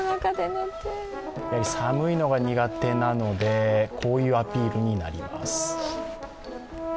やはり寒いのが苦手なのでこういうアピールになります。